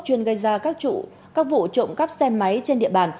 chuyên gây ra các vụ trộm cắp xe máy trên địa bàn